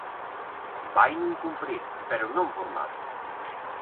Vaino incumprir, pero non por mal.